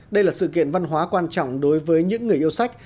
đây là sự kiện văn hóa quan trọng đối với những người yêu sách